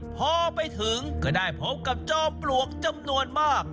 พอไปถึงก็ได้พบกับจอมปลวกจำนวนมาก